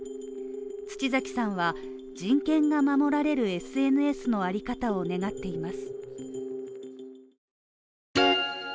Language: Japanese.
土崎さんは、人権が守られるＳＮＳのあり方を願っています。